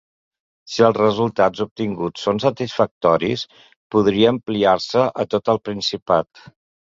Si els resultats obtinguts són satisfactoris, podria ampliar-se a tot el Principat.